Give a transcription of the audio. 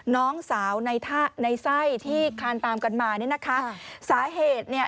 น้องสาวในท่าในไส้ที่คลานตามกันมาเนี่ยนะคะสาเหตุเนี่ย